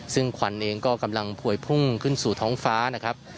ซึ่งควันเองก็กำลังผวยพุ่งขึ้นสู่ท้องฟ้านะครับ